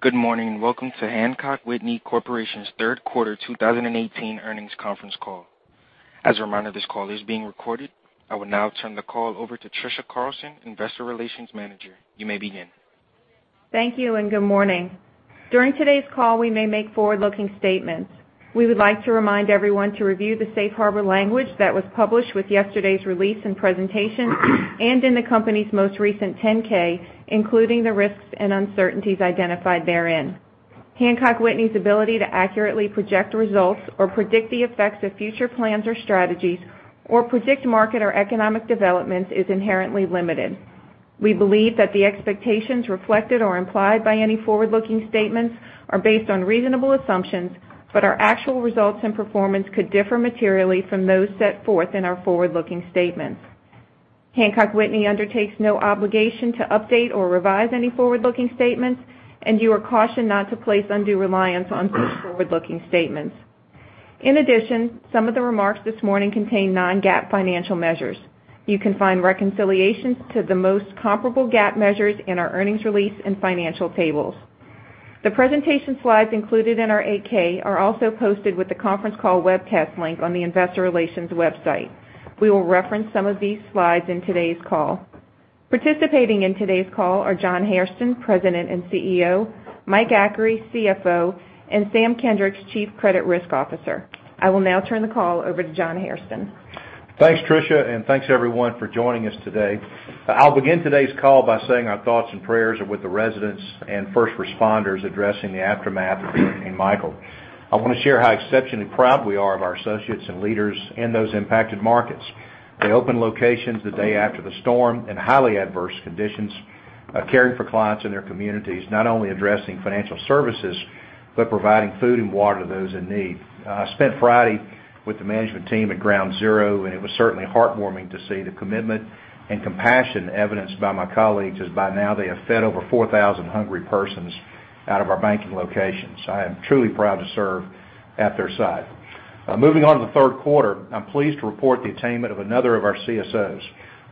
Good morning, and welcome to Hancock Whitney Corporation's third quarter 2018 earnings conference call. As a reminder, this call is being recorded. I will now turn the call over to Tricia Carlson, investor relations manager. You may begin. Thank you, and good morning. During today's call, we may make forward-looking statements. We would like to remind everyone to review the safe harbor language that was published with yesterday's release and presentation and in the company's most recent 10-K, including the risks and uncertainties identified therein. Hancock Whitney's ability to accurately project results or predict the effects of future plans or strategies or predict market or economic developments is inherently limited. We believe that the expectations reflected or implied by any forward-looking statements are based on reasonable assumptions, but our actual results and performance could differ materially from those set forth in our forward-looking statements. Hancock Whitney undertakes no obligation to update or revise any forward-looking statements, and you are cautioned not to place undue reliance on such forward-looking statements. In addition, some of the remarks this morning contain non-GAAP financial measures. You can find reconciliations to the most comparable GAAP measures in our earnings release and financial tables. The presentation slides included in our 8-K are also posted with the conference call webcast link on the investor relations website. We will reference some of these slides in today's call. Participating in today's call are John Hairston, President and CEO, Mike Achary, CFO, and Sam Kendricks, Chief Credit Risk Officer. I will now turn the call over to John Hairston. Thanks, Tricia, and thanks, everyone, for joining us today. I'll begin today's call by saying our thoughts and prayers are with the residents and first responders addressing the aftermath of Hurricane Michael. I want to share how exceptionally proud we are of our associates and leaders in those impacted markets. They opened locations the day after the storm in highly adverse conditions, caring for clients in their communities, not only addressing financial services, but providing food and water to those in need. I spent Friday with the management team at ground zero, and it was certainly heartwarming to see the commitment and compassion evidenced by my colleagues, as by now they have fed over 4,000 hungry persons out of our banking locations. I am truly proud to serve at their side. Moving on to the third quarter, I'm pleased to report the attainment of another of our CSOs.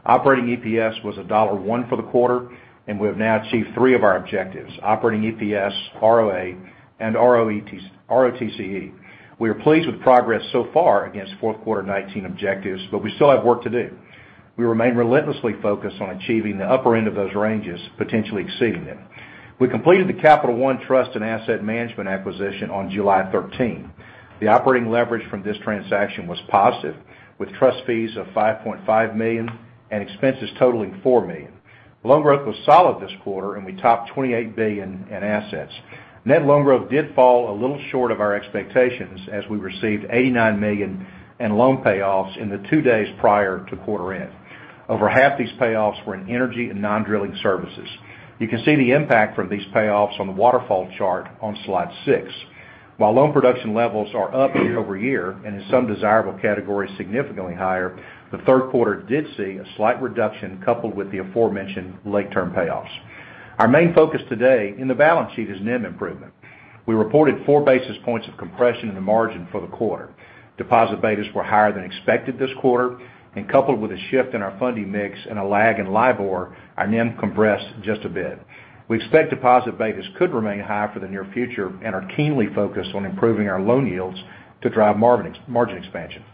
Operating EPS was $1.01 for the quarter. We have now achieved three of our objectives, operating EPS, ROA, and ROTCE. We are pleased with progress so far against fourth quarter 2019 objectives. We still have work to do. We remain relentlessly focused on achieving the upper end of those ranges, potentially exceeding them. We completed the Capital One Trust and Asset Management acquisition on July 13. The operating leverage from this transaction was positive, with trust fees of $5.5 million and expenses totaling $4 million. Loan growth was solid this quarter. We topped $28 billion in assets. Net loan growth did fall a little short of our expectations as we received $89 million in loan payoffs in the two days prior to quarter end. Over half these payoffs were in energy and non-drilling services. You can see the impact from these payoffs on the waterfall chart on slide six. While loan production levels are up year-over-year and in some desirable categories significantly higher, the third quarter did see a slight reduction coupled with the aforementioned late term payoffs. Our main focus today in the balance sheet is NIM improvement. We reported four basis points of compression in the margin for the quarter. Deposit betas were higher than expected this quarter. Coupled with a shift in our funding mix and a lag in LIBOR, our NIM compressed just a bit. We expect deposit betas could remain high for the near future. We are keenly focused on improving our loan yields to drive margin expansion.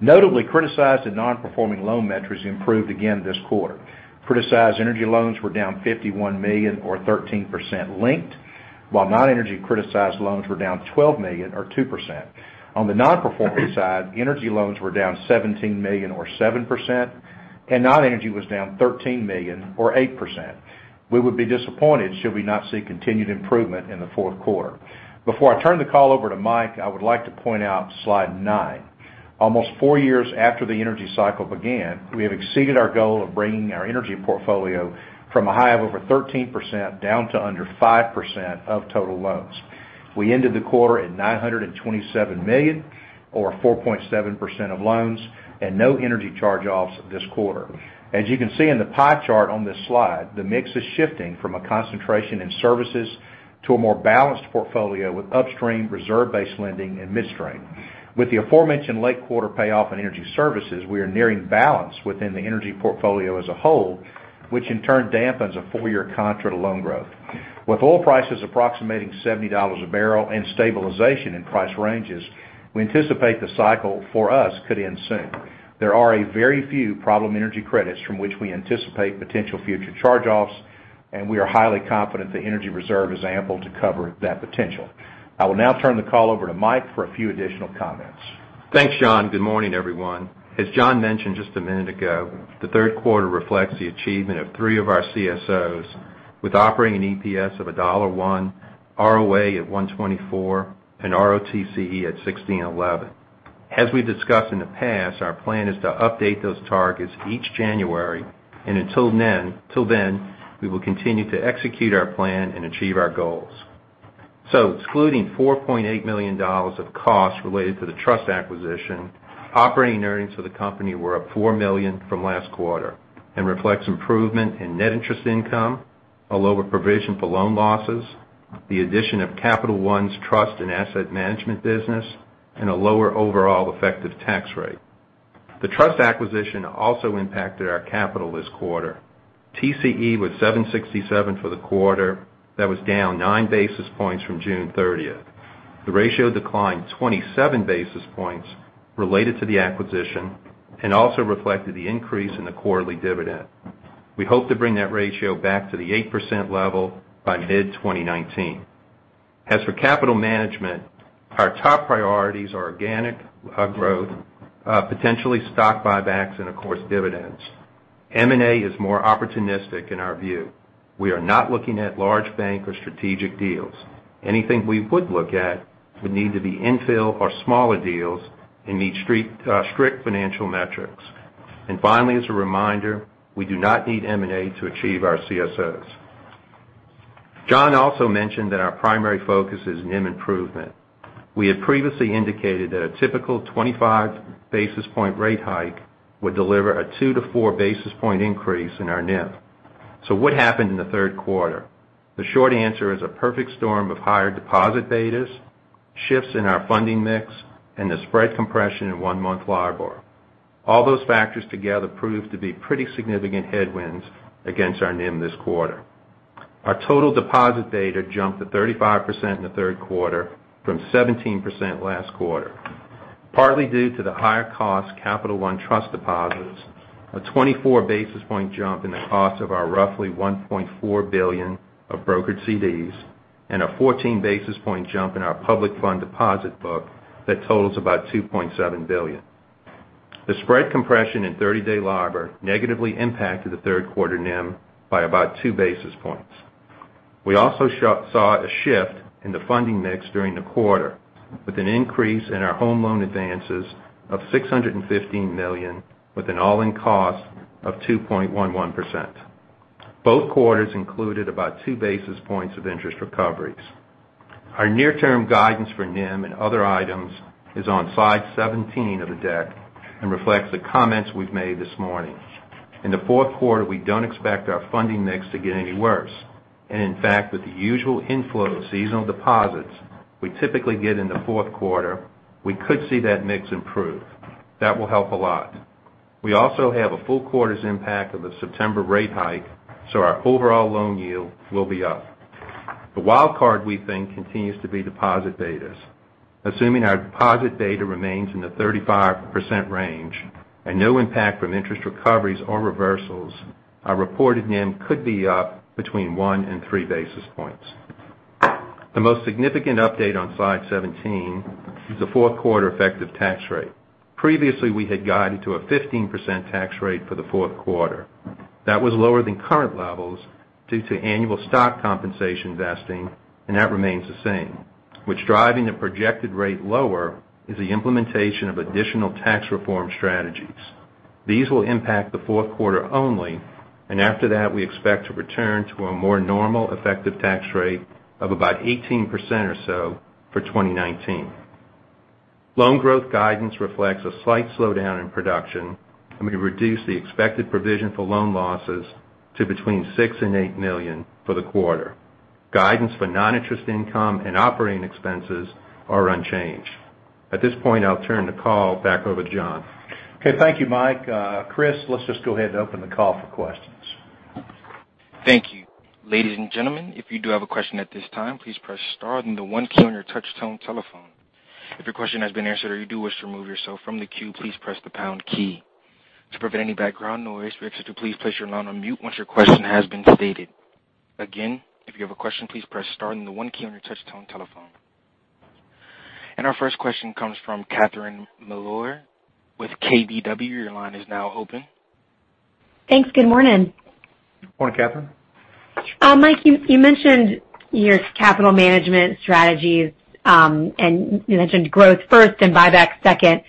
Notably, criticized and non-performing loan metrics improved again this quarter. Criticized energy loans were down $51 million or 13% linked, while non-energy criticized loans were down $12 million or 2%. On the non-performing side, energy loans were down $17 million or 7%. Non-energy was down $13 million or 8%. We would be disappointed should we not see continued improvement in the fourth quarter. Before I turn the call over to Mike, I would like to point out slide nine. Almost four years after the energy cycle began, we have exceeded our goal of bringing our energy portfolio from a high of over 13% down to under 5% of total loans. We ended the quarter at $927 million or 4.7% of loans. No energy charge-offs this quarter. As you can see in the pie chart on this slide, the mix is shifting from a concentration in services to a more balanced portfolio with upstream reserve-based lending and midstream. With the aforementioned late quarter payoff in energy services, we are nearing balance within the energy portfolio as a whole, which in turn dampens a full year contra to loan growth. With oil prices approximating $70 a barrel and stabilization in price ranges, we anticipate the cycle for us could end soon. There are a very few problem energy credits from which we anticipate potential future charge-offs. We are highly confident the energy reserve is ample to cover that potential. I will now turn the call over to Mike for a few additional comments. Thanks, John. Good morning, everyone. As John mentioned just a minute ago, the third quarter reflects the achievement of three of our CSOs with operating EPS of $1.01, ROA at 124, and ROTCE at 1611. Until then, we will continue to execute our plan and achieve our goals. Excluding $4.8 million of costs related to the trust acquisition, operating earnings for the company were up $4 million from last quarter and reflects improvement in net interest income, a lower provision for loan losses, the addition of Capital One Trust and Asset Management business, and a lower overall effective tax rate. The trust acquisition also impacted our capital this quarter. TCE was 767 for the quarter. That was down nine basis points from June 30th. The ratio declined 27 basis points related to the acquisition and also reflected the increase in the quarterly dividend. We hope to bring that ratio back to the 8% level by mid-2019. As for capital management, our top priorities are organic growth, potentially stock buybacks, and, of course, dividends. M&A is more opportunistic in our view. We are not looking at large bank or strategic deals. Anything we would look at would need to be infill or smaller deals and meet strict financial metrics. Finally, as a reminder, we do not need M&A to achieve our CSOs. John also mentioned that our primary focus is NIM improvement. We had previously indicated that a typical 25 basis point rate hike would deliver a two to four basis point increase in our NIM. What happened in the third quarter? The short answer is a perfect storm of higher deposit betas, shifts in our funding mix, and the spread compression in one-month LIBOR. All those factors together proved to be pretty significant headwinds against our NIM this quarter. Our total deposit beta jumped to 35% in the third quarter from 17% last quarter, partly due to the higher cost Capital One trust deposits, a 24 basis point jump in the cost of our roughly $1.4 billion of brokered CDs, and a 14 basis point jump in our public fund deposit book that totals about $2.7 billion. The spread compression in 30-day LIBOR negatively impacted the third quarter NIM by about two basis points. We also saw a shift in the funding mix during the quarter, with an increase in our home loan advances of $615 million with an all-in cost of 2.11%. Both quarters included about two basis points of interest recoveries. Our near-term guidance for NIM and other items is on slide 17 of the deck and reflects the comments we've made this morning. In the fourth quarter, we don't expect our funding mix to get any worse. In fact, with the usual inflow of seasonal deposits we typically get in the fourth quarter, we could see that mix improve. That will help a lot. Our overall loan yield will be up. The wild card, we think, continues to be deposit betas. Assuming our deposit beta remains in the 35% range and no impact from interest recoveries or reversals, our reported NIM could be up between one and three basis points. The most significant update on slide 17 is the fourth quarter effective tax rate. Previously, we had guided to a 15% tax rate for the fourth quarter. That was lower than current levels due to annual stock compensation vesting, and that remains the same. What's driving the projected rate lower is the implementation of additional tax reform strategies. These will impact the fourth quarter only, and after that, we expect to return to a more normal effective tax rate of about 18% or so for 2019. Loan growth guidance reflects a slight slowdown in production, and we reduced the expected provision for loan losses to between six and eight million for the quarter. Guidance for non-interest income and operating expenses are unchanged. At this point, I'll turn the call back over to John. Okay. Thank you, Mike. Chris, let's just go ahead and open the call for questions. Thank you. Ladies and gentlemen, if you do have a question at this time, please press star then the one key on your touch tone telephone. If your question has been answered or you do wish to remove yourself from the queue, please press the pound key. To prevent any background noise, we ask that you please place your line on mute once your question has been stated. Again, if you have a question, please press star then the one key on your touch tone telephone. Our first question comes from Catherine Mealor with KBW. Your line is now open. Thanks. Good morning. Morning, Catherine. Mike, you mentioned your capital management strategies, and you mentioned growth first and buyback second.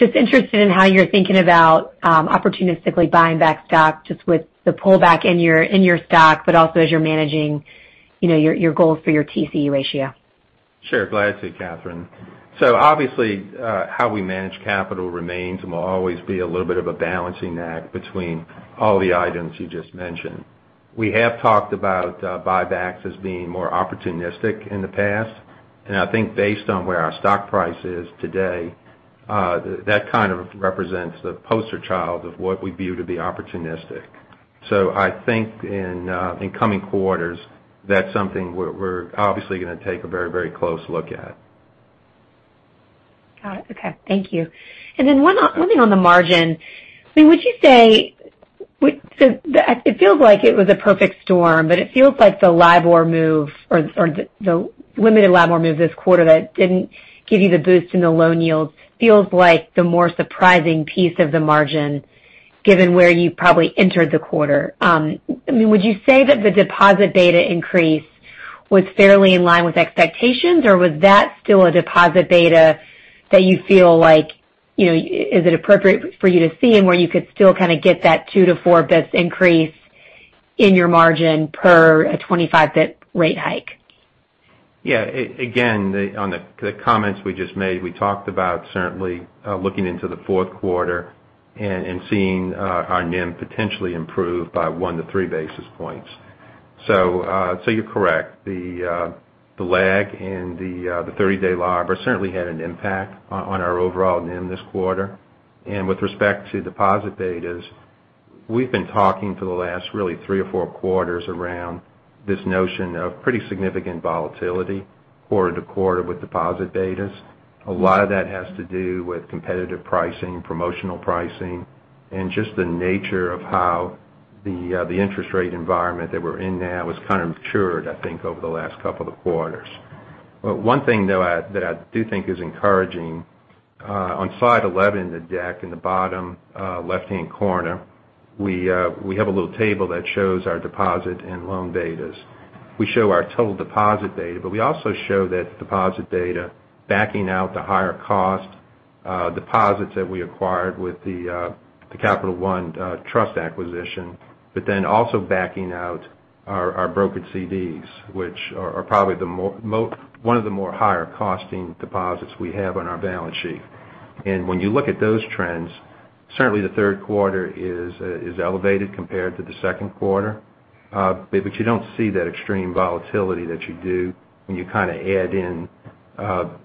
I'm just interested in how you're thinking about opportunistically buying back stock, just with the pullback in your stock, but also as you're managing your goals for your TCE ratio. Sure. Glad to, Catherine. Obviously, how we manage capital remains and will always be a little bit of a balancing act between all the items you just mentioned. We have talked about buybacks as being more opportunistic in the past, and I think based on where our stock price is today, that kind of represents the poster child of what we view to be opportunistic. I think in coming quarters, that's something we're obviously going to take a very close look at. Got it. Okay. Thank you. One thing on the margin. It feels like it was a perfect storm, but it feels like the limited LIBOR move this quarter that didn't give you the boost in the loan yields feels like the more surprising piece of the margin, given where you probably entered the quarter. Would you say that the deposit beta increase was fairly in line with expectations, or was that still a deposit beta that is it appropriate for you to see and where you could still kind of get that 2 to 4 basis points increase in your margin per a 25-basis point rate hike? Yeah. Again, on the comments we just made, we talked about certainly looking into the fourth quarter and seeing our NIM potentially improve by one to three basis points. You're correct. The lag in the 30-day LIBOR certainly had an impact on our overall NIM this quarter. With respect to deposit betas, we've been talking for the last really 3 or 4 quarters around this notion of pretty significant volatility quarter-to-quarter with deposit betas. A lot of that has to do with competitive pricing, promotional pricing, and just the nature of how the interest rate environment that we're in now has kind of matured, I think, over the last couple of quarters. One thing, though, that I do think is encouraging, on slide 11 in the deck in the bottom left-hand corner, we have a little table that shows our deposit and loan betas. We show our total deposit beta, but we also show that deposit beta backing out the higher cost deposits that we acquired with the Capital One Trust acquisition, but then also backing out our brokered CDs, which are probably one of the more higher costing deposits we have on our balance sheet. When you look at those trends, certainly the third quarter is elevated compared to the second quarter. You don't see that extreme volatility that you do when you kind of add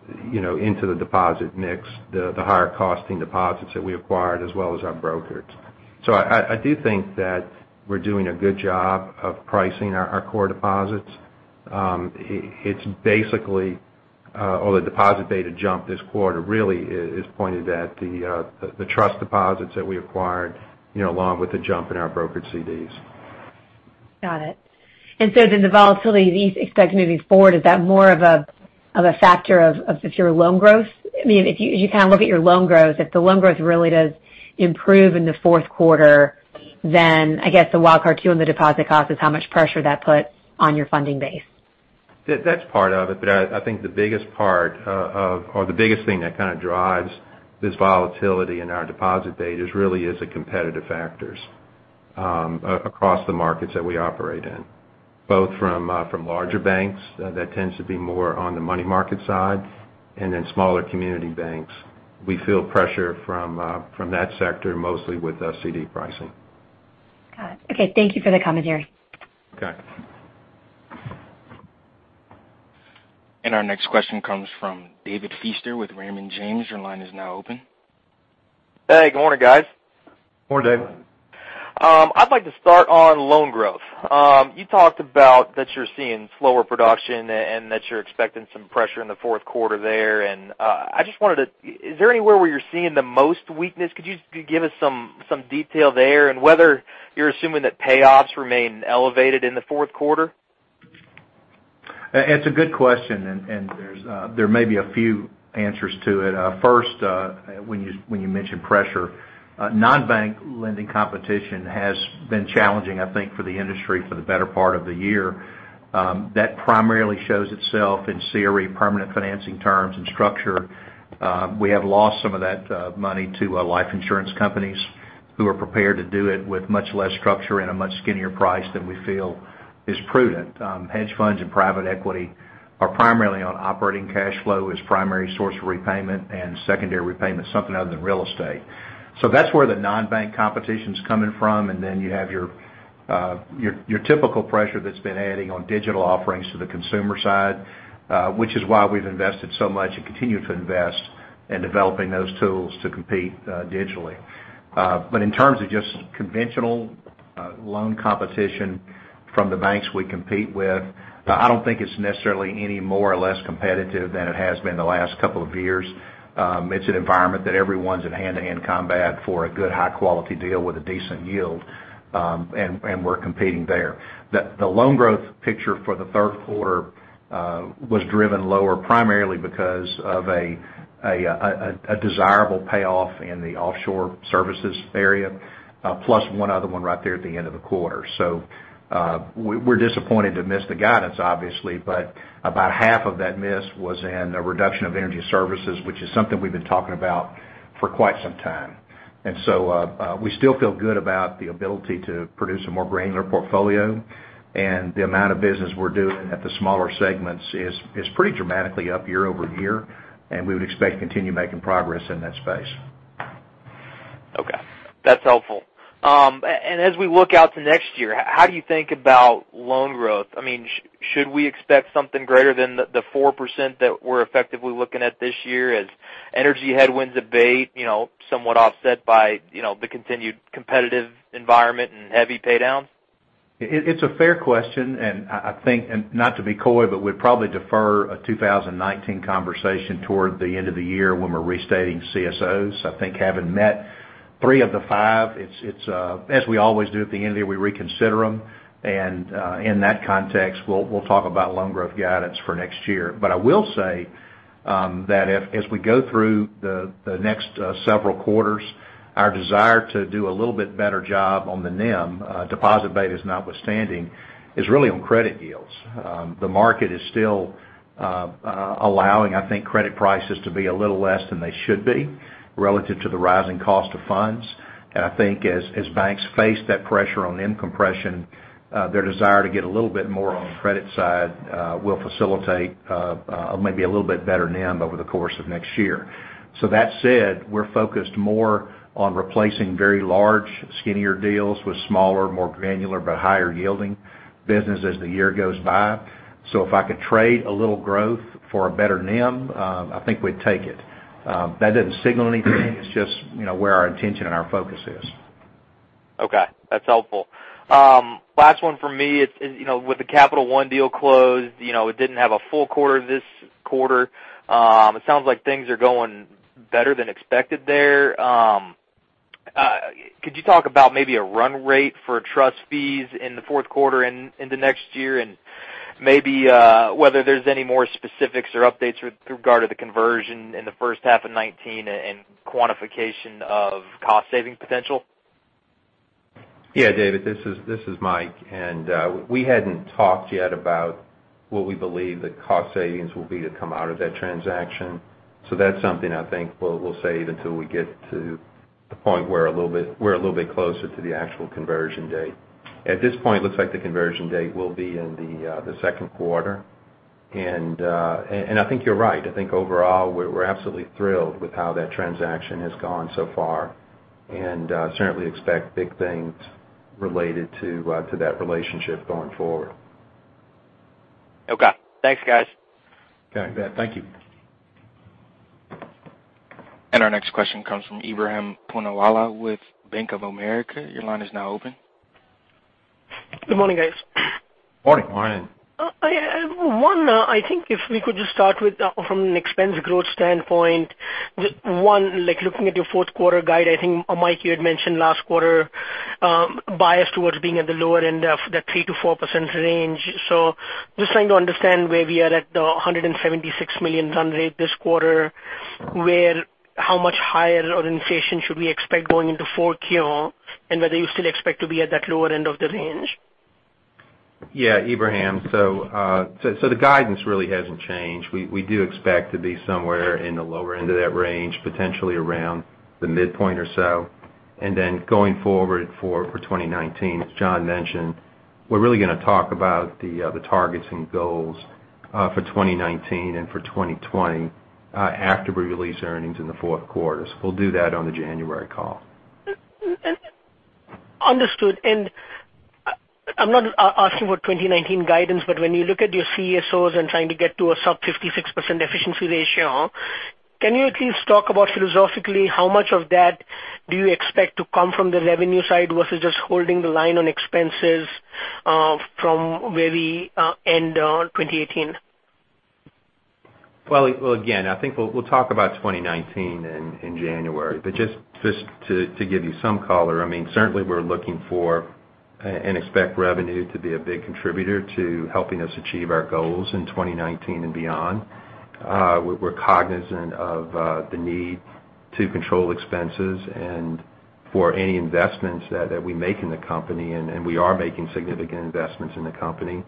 into the deposit mix, the higher costing deposits that we acquired as well as our brokers. I do think that we're doing a good job of pricing our core deposits. The deposit beta jump this quarter really is pointed at the trust deposits that we acquired, along with the jump in our brokered CDs. Got it. The volatility, you expect moving forward, is that more of a factor of if your loan growth? If you kind of look at your loan growth, if the loan growth really does improve in the fourth quarter, then I guess the wildcard cue in the deposit cost is how much pressure that puts on your funding base. That's part of it. I think the biggest part of, or the biggest thing that kind of drives this volatility in our deposit betas really is the competitive factors across the markets that we operate in, both from larger banks that tends to be more on the money market side and then smaller community banks. We feel pressure from that sector, mostly with CD pricing. Got it. Okay, thank you for the commentary. Okay. Our next question comes from David Feaster with Raymond James. Your line is now open. Hey, good morning, guys. Good morning, David. I'd like to start on loan growth. You talked about that you're seeing slower production and that you're expecting some pressure in the fourth quarter there. Is there anywhere where you're seeing the most weakness? Could you give us some detail there and whether you're assuming that payoffs remain elevated in the fourth quarter? It's a good question. There may be a few answers to it. First, when you mention pressure, non-bank lending competition has been challenging, I think, for the industry for the better part of the year. That primarily shows itself in CRE permanent financing terms and structure. We have lost some of that money to life insurance companies who are prepared to do it with much less structure and a much skinnier price than we feel is prudent. Hedge funds and private equity are primarily on operating cash flow as primary source of repayment and secondary repayment, something other than real estate. That's where the non-bank competition's coming from. You have your typical pressure that's been adding on digital offerings to the consumer side, which is why we've invested so much and continue to invest in developing those tools to compete digitally. In terms of just conventional loan competition from the banks we compete with, I don't think it's necessarily any more or less competitive than it has been the last couple of years. It's an environment that everyone's in hand-to-hand combat for a good, high-quality deal with a decent yield, and we're competing there. The loan growth picture for the third quarter was driven lower primarily because of a desirable payoff in the offshore services area, plus one other one right there at the end of the quarter. We're disappointed to miss the guidance, obviously. About half of that miss was in the reduction of energy services, which is something we've been talking about for quite some time. We still feel good about the ability to produce a more granular portfolio. The amount of business we're doing at the smaller segments is pretty dramatically up year-over-year, and we would expect to continue making progress in that space. Okay. That's helpful. As we look out to next year, how do you think about loan growth? Should we expect something greater than the 4% that we're effectively looking at this year as energy headwinds abate somewhat offset by the continued competitive environment and heavy paydown? It's a fair question. I think, not to be coy, we'd probably defer a 2019 conversation toward the end of the year when we're restating CSOs. I think having met three of the five, as we always do at the end of the year, we reconsider them. In that context, we'll talk about loan growth guidance for next year. I will say that as we go through the next several quarters, our desire to do a little bit better job on the NIM, deposit betas notwithstanding, is really on credit yields. The market is still allowing, I think, credit prices to be a little less than they should be relative to the rising cost of funds. I think as banks face that pressure on NIM compression, their desire to get a little bit more on the credit side will facilitate maybe a little bit better NIM over the course of next year. That said, we're focused more on replacing very large, skinnier deals with smaller, more granular, but higher yielding business as the year goes by. If I could trade a little growth for a better NIM, I think we'd take it. That doesn't signal anything. It's just where our intention and our focus is. Okay, that's helpful. Last one from me. With the Capital One deal closed, it didn't have a full quarter this quarter. It sounds like things are going better than expected there. Could you talk about maybe a run rate for trust fees in the fourth quarter into next year, and maybe whether there's any more specifics or updates with regard to the conversion in the first half of 2019, and quantification of cost-saving potential? David, this is Mike. We hadn't talked yet about what we believe the cost savings will be to come out of that transaction. That's something I think we'll save until we get to the point where a little bit closer to the actual conversion date. At this point, looks like the conversion date will be in the second quarter. I think you're right. I think overall, we're absolutely thrilled with how that transaction has gone so far, and certainly expect big things related to that relationship going forward. Okay. Thanks, guys. Okay, thank you. Our next question comes from Ebrahim Poonawala with Bank of America. Your line is now open. Good morning, guys. Morning. Morning. I think if we could just start with from an expense growth standpoint, looking at your fourth quarter guide, I think, Mike, you had mentioned last quarter, biased towards being at the lower end of that 3%-4% range. Just trying to understand where we are at the $176 million run rate this quarter, how much higher orientation should we expect going into 4Q? Whether you still expect to be at that lower end of the range. Yeah, Ebrahim. The guidance really hasn't changed. We do expect to be somewhere in the lower end of that range, potentially around the midpoint or so. Then going forward for 2019, as John mentioned, we're really going to talk about the targets and goals for 2019 and for 2020 after we release earnings in the fourth quarter. We'll do that on the January call. Understood. I'm not asking for 2019 guidance, but when you look at your CSOs and trying to get to a sub 56% efficiency ratio, can you at least talk about philosophically, how much of that do you expect to come from the revenue side versus just holding the line on expenses from where we end on 2018? Again, I think we'll talk about 2019 in January. Just to give you some color, certainly we're looking for and expect revenue to be a big contributor to helping us achieve our goals in 2019 and beyond. We're cognizant of the need to control expenses and for any investments that we make in the company, and we are making significant investments in the company.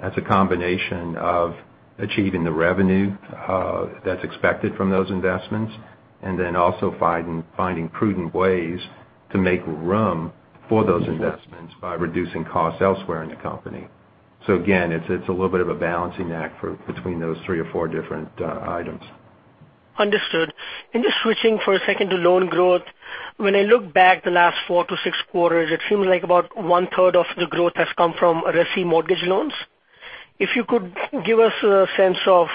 That's a combination of achieving the revenue that's expected from those investments, and then also finding prudent ways to make room for those investments by reducing costs elsewhere in the company. Again, it's a little bit of a balancing act between those three or four different items. Understood. Just switching for a second to loan growth. When I look back the last four to six quarters, it seems like about one third of the growth has come from resi mortgage loans. If you could give us a sense of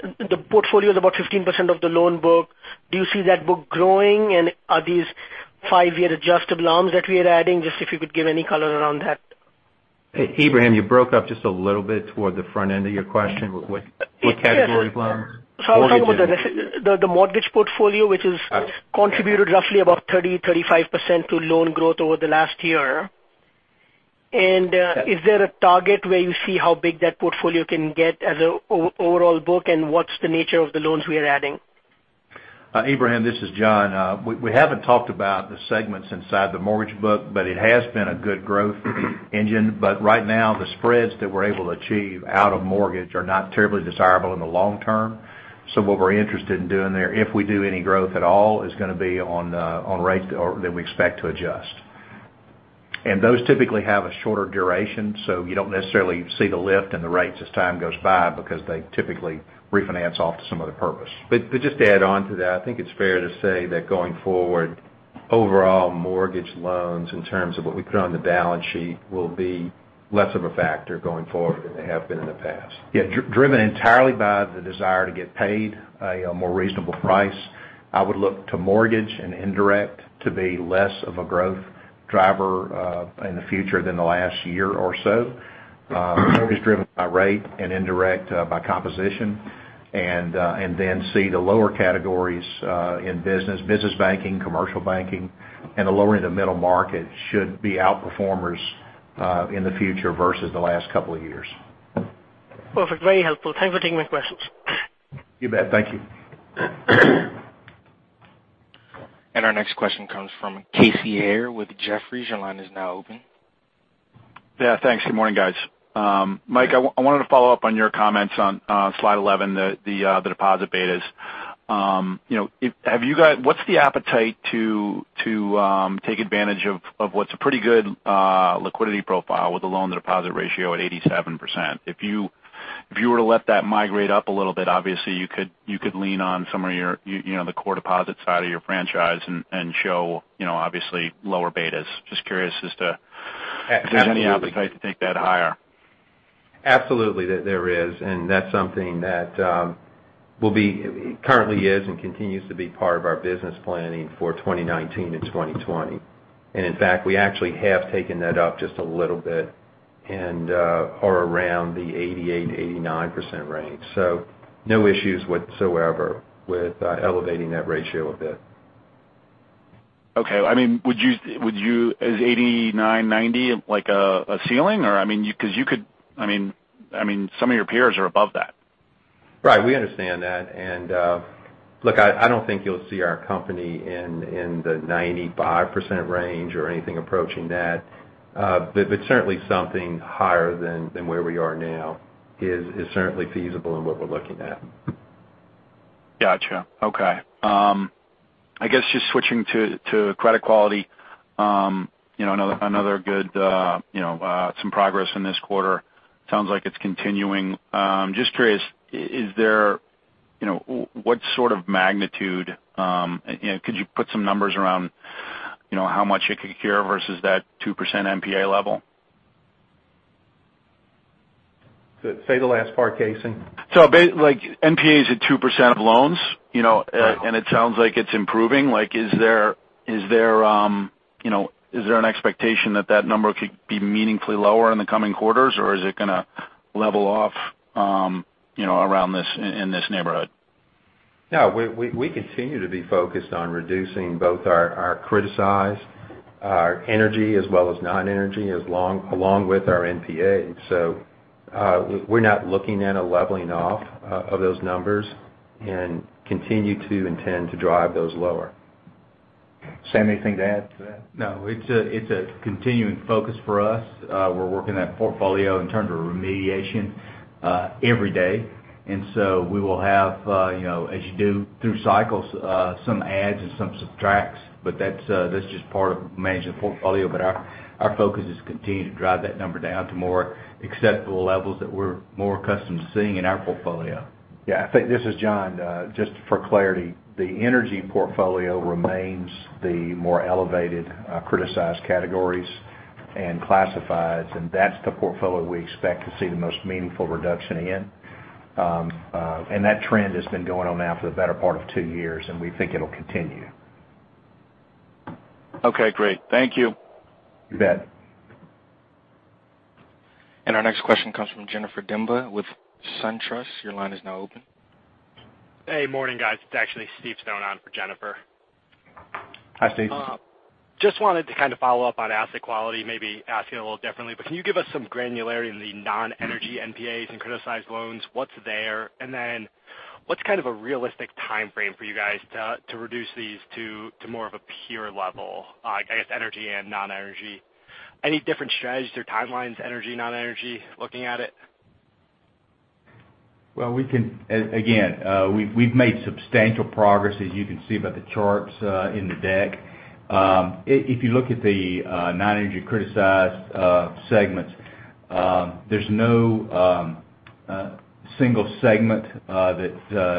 the portfolio's about 15% of the loan book. Do you see that book growing? Are these five-year adjustable arms that we are adding? Just if you could give any color around that. Ebrahim, you broke up just a little bit toward the front end of your question. What category of loans? Mortgage- Sorry about that. The mortgage portfolio, which has contributed roughly about 30%, 35% to loan growth over the last year. Yes. Is there a target where you see how big that portfolio can get as an overall book? What's the nature of the loans we are adding? Ebrahim, this is John. We haven't talked about the segments inside the mortgage book, it has been a good growth engine. Right now, the spreads that we're able to achieve out of mortgage are not terribly desirable in the long term. What we're interested in doing there, if we do any growth at all, is going to be on rates that we expect to adjust. Those typically have a shorter duration, you don't necessarily see the lift in the rates as time goes by because they typically refinance off to some other purpose. Just to add onto that, I think it's fair to say that going forward overall mortgage loans in terms of what we put on the balance sheet will be less of a factor going forward than they have been in the past. Yeah. Driven entirely by the desire to get paid a more reasonable price. I would look to mortgage and indirect to be less of a growth driver in the future than the last year or so. Mortgage driven by rate and indirect by composition. Then see the lower categories in business banking, commercial banking, and the lower end of middle market should be out-performers in the future versus the last couple of years. Perfect. Very helpful. Thanks for taking my questions. You bet. Thank you. Our next question comes from Casey Haire with Jefferies. Your line is now open. Thanks. Good morning, guys. Mike, I wanted to follow up on your comments on slide 11, the deposit betas. What's the appetite to take advantage of what's a pretty good liquidity profile with the loan-to-deposit ratio at 87%? If you were to let that migrate up a little bit, obviously, you could lean on some of the core deposit side of your franchise and show obviously lower betas. Just curious as to if there's any appetite to take that higher. Absolutely, there is. That's something that currently is and continues to be part of our business planning for 2019 and 2020. In fact, we actually have taken that up just a little bit and are around the 88%-89% range. No issues whatsoever with elevating that ratio a bit. Okay. Is 89%-90% like a ceiling? Some of your peers are above that. Right. We understand that. Look, I don't think you'll see our company in the 95% range or anything approaching that. Certainly something higher than where we are now is certainly feasible and what we're looking at. Got you. Okay. I guess just switching to credit quality. Some progress in this quarter. Sounds like it's continuing. Just curious, what sort of magnitude could you put some numbers around how much it could cure versus that 2% NPA level? Say the last part, Casey. NPA is at 2% of loans. Right It sounds like it's improving. Is there an expectation that that number could be meaningfully lower in the coming quarters, or is it going to level off in this neighborhood? No, we continue to be focused on reducing both our criticized, our energy as well as non-energy, along with our NPA. We're not looking at a leveling off of those numbers, and continue to intend to drive those lower. Sam, anything to add to that? No, it's a continuing focus for us. We're working that portfolio in terms of remediation every day. So we will have, as you do through cycles, some adds and some subtracts, but that's just part of managing the portfolio. Our focus is continue to drive that number down to more acceptable levels that we're more accustomed to seeing in our portfolio. Yeah, I think this is John. Just for clarity, the energy portfolio remains the more elevated criticized categories and classifieds, and that's the portfolio we expect to see the most meaningful reduction in. That trend has been going on now for the better part of two years, and we think it'll continue. Okay, great. Thank you. You bet. Our next question comes from Jennifer Demba with SunTrust. Your line is now open. Hey, morning, guys. It's actually Steve Stone on for Jennifer. Hi, Steve. Just wanted to kind of follow up on asset quality, maybe ask you a little differently. Can you give us some granularity in the non-energy NPAs and criticized loans, what's there? What's kind of a realistic timeframe for you guys to reduce these to more of a pure level, I guess, energy and non-energy? Any different strategies or timelines, energy, non-energy, looking at it? Again, we've made substantial progress, as you can see by the charts in the deck. If you look at the non-energy criticized segments, there's no single segment that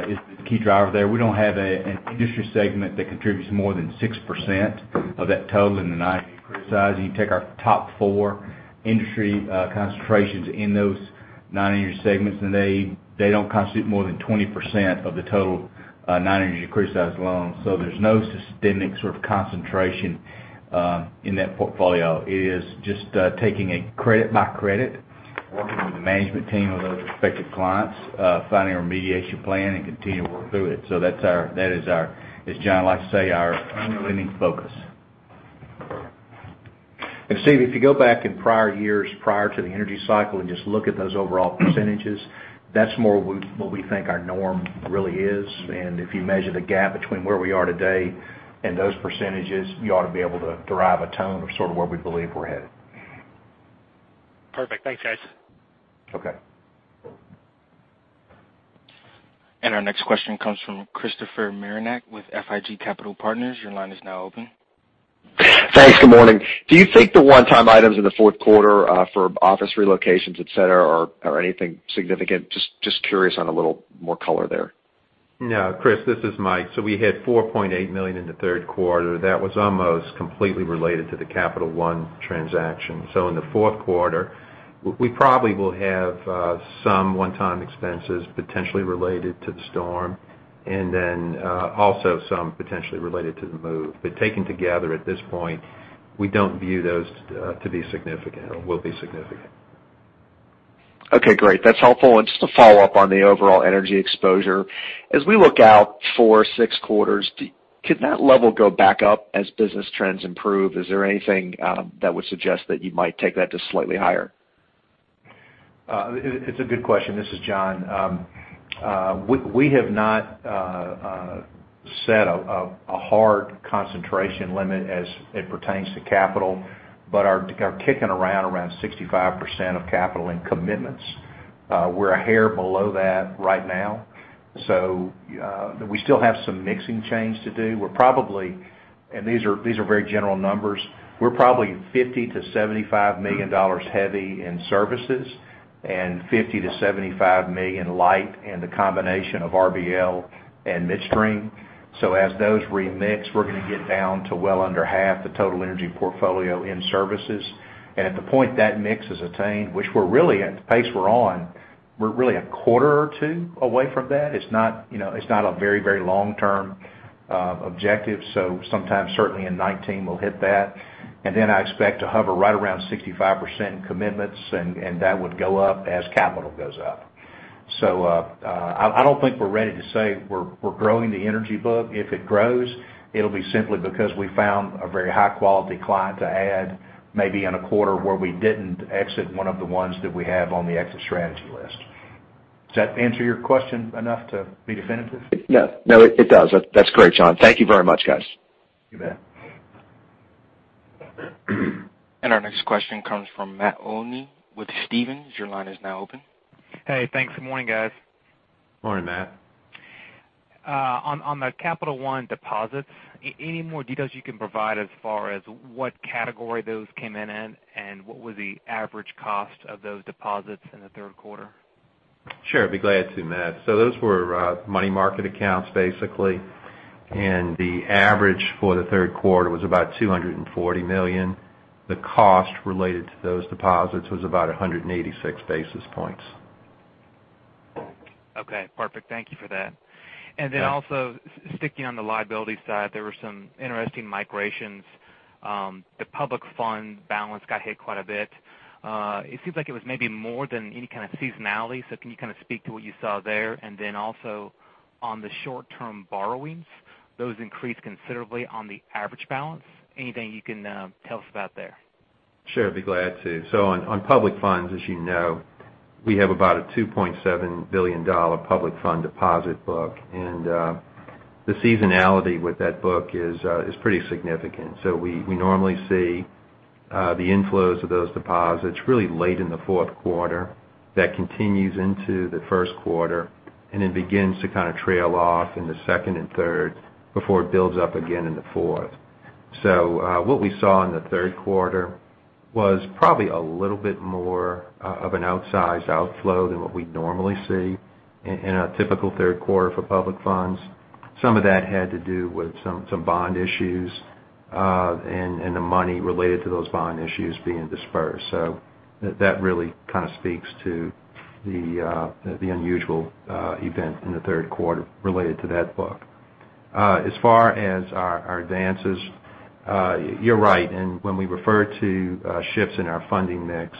is the key driver there. We don't have an industry segment that contributes more than 6% of that total in the non-energy criticized. You take our top four industry concentrations in those non-energy segments, they don't constitute more than 20% of the total non-energy criticized loans. There's no systemic sort of concentration in that portfolio. It is just taking it credit by credit, working with the management team of those respective clients, finding a remediation plan, and continue to work through it. That is our, as John likes to say, our unending focus. Steve, if you go back in prior years, prior to the energy cycle, and just look at those overall percentages, that's more what we think our norm really is. If you measure the gap between where we are today and those percentages, you ought to be able to derive a tone of sort of where we believe we're headed. Perfect. Thanks, guys. Okay. Our next question comes from Christopher Marinac with FIG Partners. Your line is now open. Thanks. Good morning. Do you think the one-time items in the fourth quarter for office relocations, et cetera, are anything significant? Just curious on a little more color there. Chris, this is Mike. We had $4.8 million in the third quarter. That was almost completely related to the Capital One transaction. In the fourth quarter, we probably will have some one-time expenses potentially related to the storm and then also some potentially related to the move. Taken together at this point, we don't view those to be significant or will be significant. Okay, great. That's helpful. Just to follow up on the overall energy exposure. As we look out four, six quarters, could that level go back up as business trends improve? Is there anything that would suggest that you might take that to slightly higher? It's a good question. This is John. We have not set a hard concentration limit as it pertains to capital, but are kicking around 65% of capital in commitments. We're a hair below that right now. We still have some mixing change to do. We're probably, and these are very general numbers. We're probably $50 million-$75 million heavy in services and $50 million-$75 million light in the combination of RBL and midstream. As those remix, we're going to get down to well under half the total energy portfolio in services. At the point that mix is attained, which at the pace we're on, we're really a quarter or two away from that. It's not a very long-term objective. Sometime, certainly in 2019, we'll hit that. I expect to hover right around 65% in commitments, and that would go up as capital goes up. I don't think we're ready to say we're growing the energy book. If it grows, it'll be simply because we found a very high-quality client to add, maybe in a quarter where we didn't exit one of the ones that we have on the exit strategy list. Does that answer your question enough to be definitive? Yes. No, it does. That's great, John. Thank you very much, guys. You bet. Our next question comes from Matt Olney with Stephens. Your line is now open. Hey, thanks. Good morning, guys. Morning, Matt. On the Capital One deposits, any more details you can provide as far as what category those came in in, and what was the average cost of those deposits in the third quarter? Sure. I'd be glad to, Matt. Those were money market accounts, basically. The average for the third quarter was about $240 million. The cost related to those deposits was about 186 basis points. Okay, perfect. Thank you for that. Yeah. Also sticking on the liability side, there were some interesting migrations. The public fund balance got hit quite a bit. It seems like it was maybe more than any kind of seasonality. Can you speak to what you saw there? Also on the short-term borrowings, those increased considerably on the average balance. Anything you can tell us about there? Sure, I'd be glad to. On public funds, as you know, we have about a $2.7 billion public fund deposit book. The seasonality with that book is pretty significant. We normally see the inflows of those deposits really late in the fourth quarter. That continues into the first quarter, and it begins to trail off in the second and third before it builds up again in the fourth. What we saw in the third quarter was probably a little bit more of an outsized outflow than what we'd normally see in a typical third quarter for public funds. Some of that had to do with some bond issues, and the money related to those bond issues being dispersed. That really speaks to the unusual event in the third quarter related to that book. As far as our advances, you're right. When we refer to shifts in our funding mix,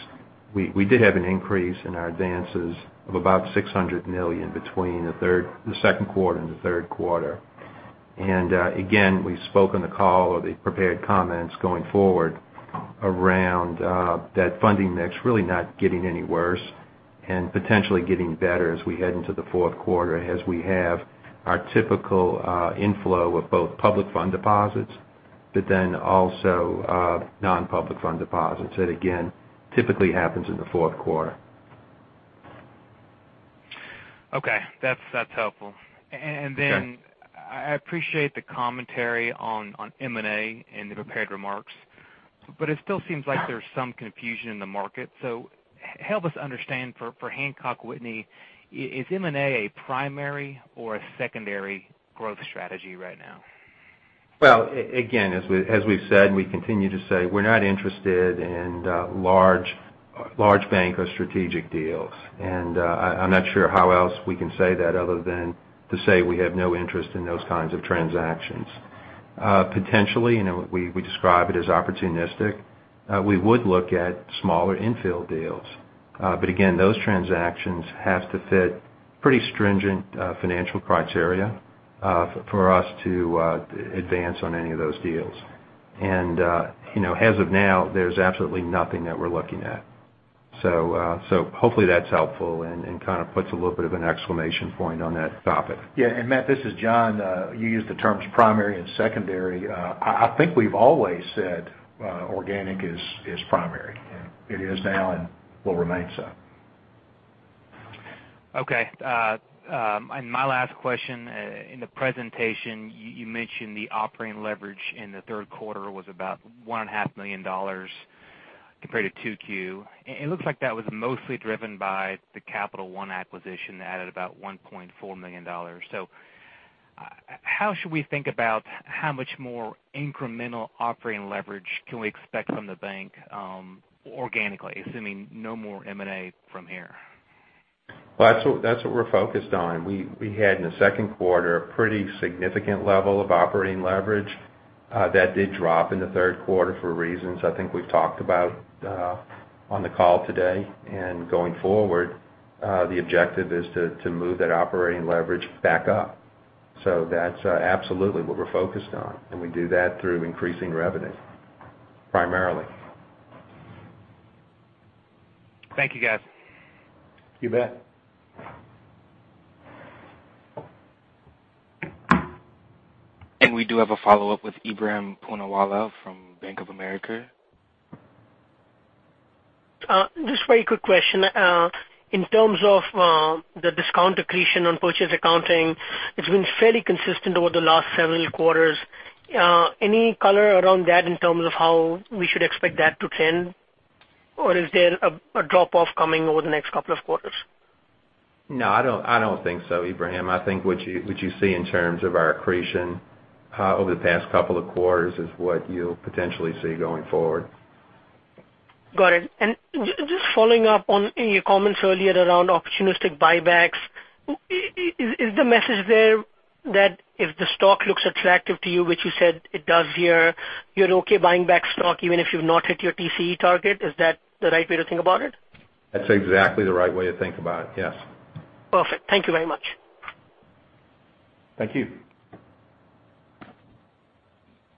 we did have an increase in our advances of about $600 million between the second quarter and the third quarter. Again, we spoke on the call or the prepared comments going forward around that funding mix really not getting any worse, and potentially getting better as we head into the fourth quarter, as we have our typical inflow of both public fund deposits, but then also non-public fund deposits. That, again, typically happens in the fourth quarter. Okay. That's helpful. Okay. I appreciate the commentary on M&A in the prepared remarks, but it still seems like there's some confusion in the market. Help us understand for Hancock Whitney, is M&A a primary or a secondary growth strategy right now? Well, again, as we've said, and we continue to say, we're not interested in large bank or strategic deals. I'm not sure how else we can say that other than to say we have no interest in those kinds of transactions. Potentially, we describe it as opportunistic. We would look at smaller infill deals. Again, those transactions have to fit pretty stringent financial criteria for us to advance on any of those deals. As of now, there's absolutely nothing that we're looking at. Hopefully that's helpful and puts a little bit of an exclamation point on that topic. Matt, this is John. You used the terms primary and secondary. I think we've always said organic is primary. Yeah. It is now and will remain so. Okay. My last question, in the presentation, you mentioned the operating leverage in the third quarter was about $1.5 million compared to 2Q. It looks like that was mostly driven by the Capital One acquisition that added about $1.4 million. How should we think about how much more incremental operating leverage can we expect from the bank organically, assuming no more M&A from here? Well, that's what we're focused on. We had in the second quarter a pretty significant level of operating leverage. That did drop in the third quarter for reasons I think we've talked about on the call today. Going forward, the objective is to move that operating leverage back up. That's absolutely what we're focused on, and we do that through increasing revenue, primarily. Thank you, guys. You bet. We do have a follow-up with Ebrahim Poonawala from Bank of America. Just a very quick question. In terms of the discount accretion on purchase accounting, it's been fairly consistent over the last several quarters. Any color around that in terms of how we should expect that to trend? Or is there a drop-off coming over the next couple of quarters? No, I don't think so, Ebrahim. I think what you see in terms of our accretion over the past couple of quarters is what you'll potentially see going forward. Got it. Just following up on your comments earlier around opportunistic buybacks. Is the message there that if the stock looks attractive to you, which you said it does here, you're okay buying back stock even if you've not hit your TCE target? Is that the right way to think about it? That's exactly the right way to think about it. Yes. Perfect. Thank you very much. Thank you.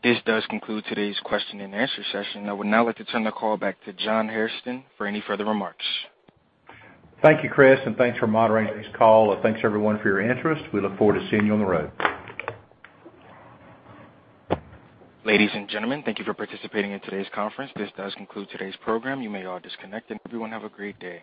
This does conclude today's question and answer session. I would now like to turn the call back to John Hairston for any further remarks. Thank you, Chris, and thanks for moderating this call, and thanks everyone for your interest. We look forward to seeing you on the road. Ladies and gentlemen, thank you for participating in today's conference. This does conclude today's program. You may all disconnect, and everyone have a great day.